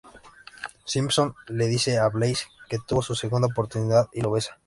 Simpson le dice a Blaze que tuvo su segunda oportunidad y lo besa.